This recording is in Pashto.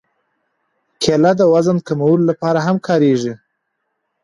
کېله د وزن کمولو لپاره هم کارېږي.